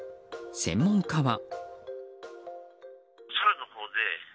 専門家は。